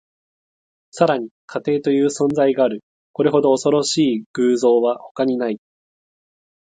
さらに、家庭という存在がある。これほど恐ろしい偶像は他にない。